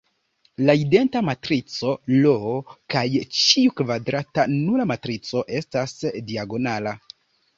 La identa matrico "I" kaj ĉiu kvadrata nula matrico estas diagonala.